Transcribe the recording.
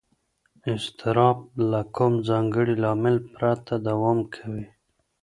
اضطراب له کوم ځانګړي لامل پرته دوام کوي.